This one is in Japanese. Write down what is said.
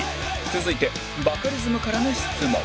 続いてバカリズムからの質問